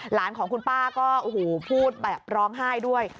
หลานของคุณป้าก็โอ้โหพูดแบบร้องไห้ด้วย